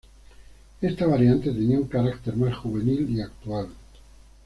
Esta variante tenía un carácter más juvenil y actual.